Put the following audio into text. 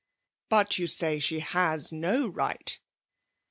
'* But you say she has no right